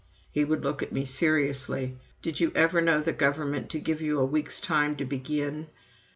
He would look at me seriously. "Did you ever know the Government to give you a week's time to begin?"